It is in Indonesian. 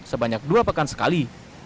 sebanyak dua pekan sekali